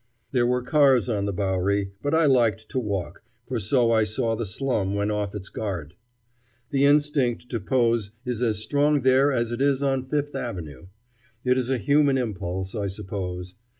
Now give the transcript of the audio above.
There were cars on the Bowery, but I liked to walk, for so I saw the slum when off its guard. The instinct to pose is as strong there as it is on Fifth Avenue. It is a human impulse, I suppose.